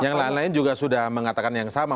dan lain lain juga sudah mengatakan yang sama